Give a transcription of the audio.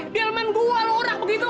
di elemen dua lu orang begitu